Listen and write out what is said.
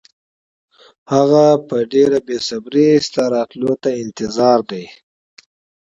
هغه په ډېره بې صبرۍ ستا راتلو ته منتظر دی.